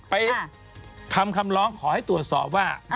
ไปทำคำร้องขอให้ตรวจสอบว่า